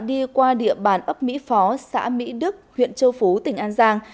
đi qua địa bàn ấp mỹ phó xã mỹ đức huyện châu phú tỉnh an giang